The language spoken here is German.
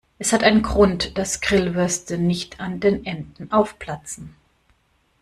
Es hat einen Grund, dass Grillwürste nicht an den Enden aufplatzen.